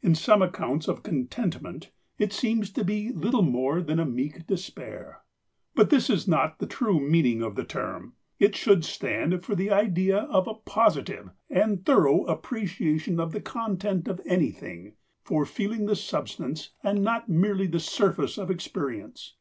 In some accounts of contentment it seems to be little more than a meek despair. But this is not the true meaning of the term; it should stand for the idea of a positive and thorough appreciation of the content of anything; for feeling the substance and not merely the surface of experience.